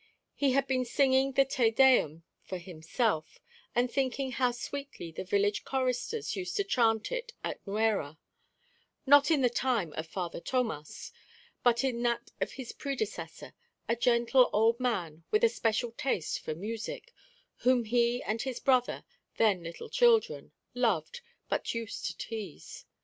He had been singing the Te Deum for himself; and thinking how sweetly the village choristers used to chant it at Nuera; not in the time of Father Tomas, but in that of his predecessor, a gentle old man with a special taste for music, whom he and his brother, then little children, loved, but used to tease.